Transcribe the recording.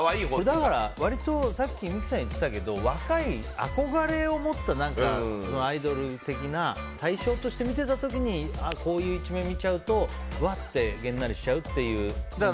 割とさっき三木さん言ってたけど若い、憧れを持ったアイドル的な対象として見てた時にこういう一面を見ちゃうとうわってげんなりしちゃうというのに近いというか。